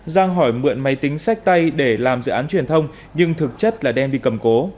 giang hỏi mượn máy tính sách tay để làm dự án truyền thông nhưng thực chất là đem đi cầm cố